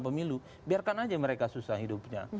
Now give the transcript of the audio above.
pemilu biarkan aja mereka susah hidupnya